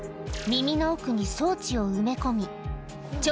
耳の奥に装置を埋め込み、聴